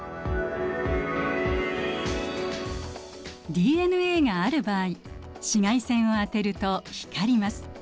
ＤＮＡがある場合紫外線を当てると光ります。